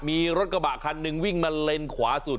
มีรถกระบะคันหนึ่งวิ่งมาเลนขวาสุด